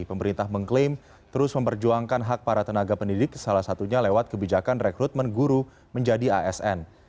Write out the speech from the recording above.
pemerintah mengklaim terus memperjuangkan hak para tenaga pendidik salah satunya lewat kebijakan rekrutmen guru menjadi asn